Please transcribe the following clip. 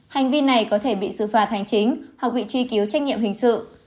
hành vi này có thể bị xử phạt hành chính hoặc bị truy cứu trách nhiệm hình sự